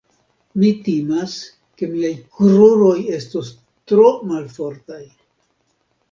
Mi timas, ke miaj kruroj estos tro malfortaj.